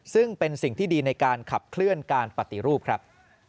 ซึ่งเป็นสิ่งที่ดีในการขับเคลื่อนการปฏิรูปครับ